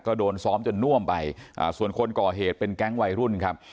ก็โดนซ้อมจนน่วมไปอ่าส่วนคนก่อเหตุเป็นแก๊งวัยรุ่นครับ